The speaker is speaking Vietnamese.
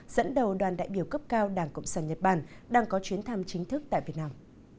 dẫn đầu đoàn đại biểu cấp cao đảng cộng sản nhật bản đang có chuyến thăm chính thức tại việt nam